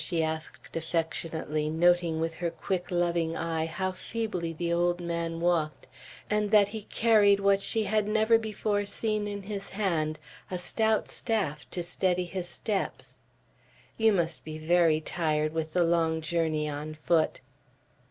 she asked affectionately, noting with her quick, loving eye how feebly the old man walked, and that he carried what she had never before seen in his hand, a stout staff to steady his steps. "You must be very tired with the long journey on foot."